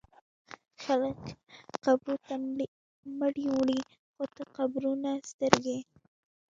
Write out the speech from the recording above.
خلک قبرو ته مړي وړي خو ته قبرونه سترګې